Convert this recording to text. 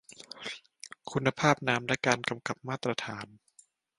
คุณภาพน้ำ และการกำกับมาตรฐาน